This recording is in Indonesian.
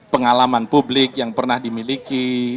pengalaman publik yang pernah dimiliki